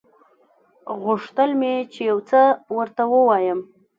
غوښتل مې چې څه ورته ووايم.